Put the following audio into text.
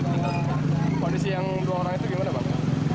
tinggal kondisi yang dua orang itu gimana pak